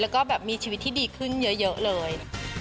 แล้วก็แบบมีชีวิตที่ดีขึ้นเยอะเลย